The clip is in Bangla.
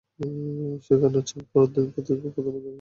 সেই কান্নার ছবি পরদিন পত্রিকার প্রথম পাতায় ফলাও করে ছাপা হবে।